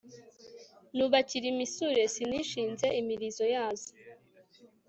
nubakira imisure sinishinze imilizo yazo